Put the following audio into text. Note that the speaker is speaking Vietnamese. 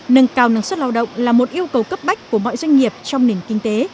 nâng cao năng suất lao động là một yêu cầu cấp bách của mọi doanh nghiệp trong nền kinh tế